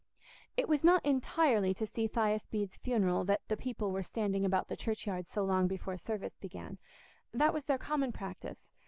It was not entirely to see Thias Bede's funeral that the people were standing about the churchyard so long before service began; that was their common practice.